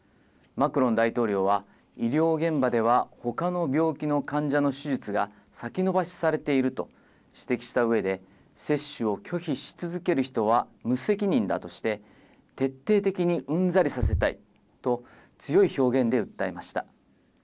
マクロン大統領は、医療現場ではほかの病気の患者の手術が、先延ばしされていると指摘したうえで、接種を拒否し続ける人は無責任だとして、徹底的にうんざりさせたいと、強い表現で訴えました。